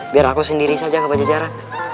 biar aku sendiri saja ke pajajara